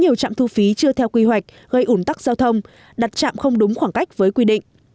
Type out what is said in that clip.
nhiều trạm thu phí chưa theo quy hoạch gây ủn tắc giao thông đặt trạm không đúng khoảng cách với quy định